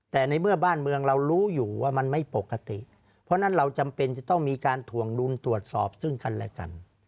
แต่ในเมื่อบ้านเมืองเรารู้อยู่ว่ามันไม่ปกติเพราะฉะนั้นเราจำเป็นจะต้องมีการถวงดุลตรวจสอบซึ่งกันและกัน